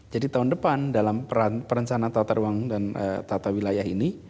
jadi tahun depan dalam perencana tata ruang dan tata wilayah ini